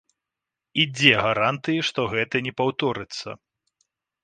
І дзе гарантыі, што гэта не паўторыцца?